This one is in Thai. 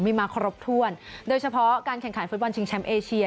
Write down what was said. มีมาครบถ้วนโดยเฉพาะการแข่งขันฟุตบอลชิงแชมป์เอเชีย